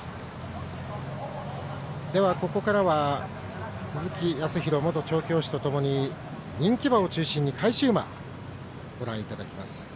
ここからは鈴木康弘元調教師とともに人気馬を中心に返し馬をご覧いただきます。